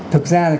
thực ra là